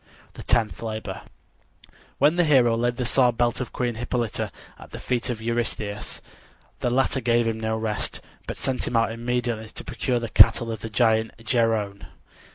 THE TENTH LABOR When the hero laid the sword belt of Queen Hippolyta at the feet of Eurystheus, the latter gave him no rest, but sent him out immediately to procure the cattle of the giant Geryone.